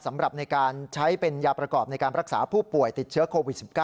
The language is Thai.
สำหรับในการใช้เป็นยาประกอบในการรักษาผู้ป่วยติดเชื้อโควิด๑๙